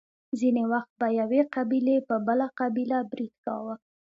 ځینې وخت به یوې قبیلې په بله قبیله برید کاوه.